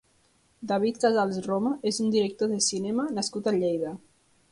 David Casals-Roma és un director de cinema nascut a Lleida.